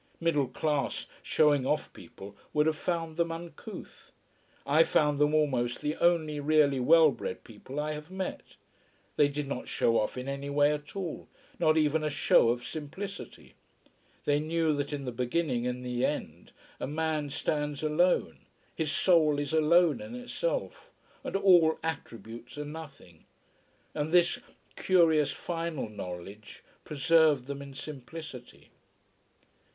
Middle class, showing off people would have found them uncouth. I found them almost the only really well bred people I have met. They did not show off in any way at all, not even a show of simplicity. They knew that in the beginning and in the end a man stands alone, his soul is alone in itself, and all attributes are nothing and this curious final knowledge preserved them in simplicity.